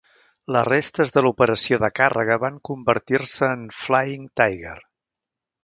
Les restes de l'operació de càrrega van convertir-se en Flying Tiger.